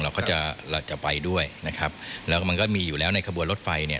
เราก็จะเราจะไปด้วยนะครับแล้วก็มันก็มีอยู่แล้วในขบวนรถไฟเนี่ย